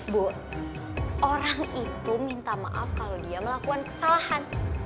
bu orang itu minta maaf kalau dia melakukan kesalahan